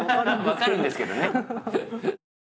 分かるんですけどね。